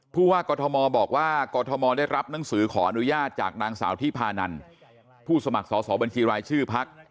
ผู้ว่ากรทมบอกว่ากรทมได้รับหนังสือขออนุญาตจากนางสาวที่พานันผู้สมัครสอบบัญชีรายชื่อพัก